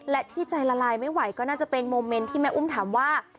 และที่ใจละลายไม่ไหวก็น่าจะเป็นโมเมนต์ที่แม่อุ้มถามว่า